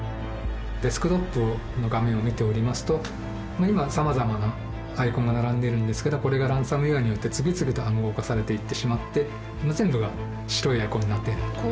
デスクトップの画面を見ておりますと今さまざまなアイコンが並んでいるんですけどこれがランサムウエアによって次々と暗号化されていってしまって全部が白いアイコンになっている。